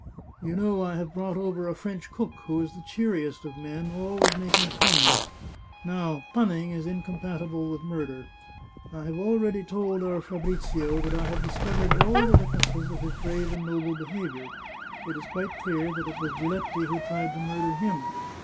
" You know I have brought over a French cook, who is the cheeriest of men, always making puns ; now, punning is incompatible with murder. I have already told our Fabrizio that I have discovered all the witnesses of his brave and noble behaviour. It is quite clear it was Giletti who tried to murder him.